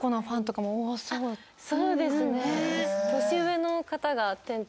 そうですね。